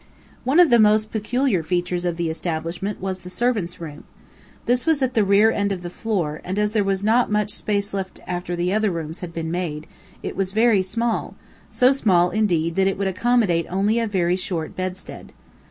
One of the most peculiar features of the establishment was the servant's room. This was at the rear end of the floor, and as there was not much space left after the other rooms had been made, it was very small; so small, indeed, that it would accommodate only a very short bedstead.